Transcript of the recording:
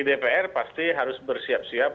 dpr pasti harus bersiap siap